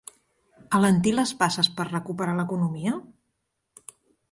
Alentir les passes per a recuperar l’economia?